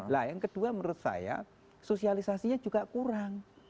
nah yang kedua menurut saya sosialisasinya juga kurang